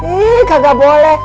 ih kagak boleh